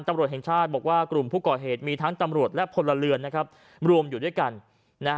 ตำรวจแห่งชาติบอกว่ากลุ่มผู้ก่อเหตุมีทั้งตำรวจและพลเรือนนะครับรวมอยู่ด้วยกันนะฮะ